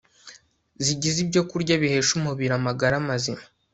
Zigize ibyokurya bihesha umubiri amagara mazima